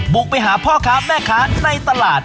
ไปหาพ่อค้าแม่ค้าในตลาด